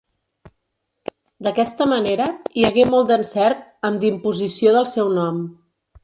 D'aquesta manera hi hagué molt d'encert amb d'imposició del seu nom.